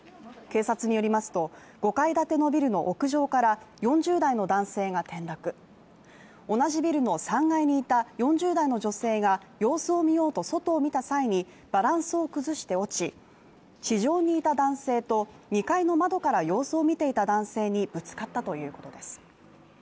警察によりますと、５階建てビルの屋上から４０代の男性が転落、同じビルの３階にいた４０代の女性が様子を見ようと外を見た際にバランスを崩して落ち、地上にいた男性と２階の窓から様子を見ていた男性にぶつかったということです。